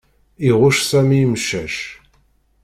Iɣucc Sami imcac.